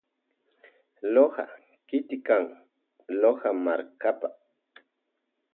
Loja kiti kan Loja markapa.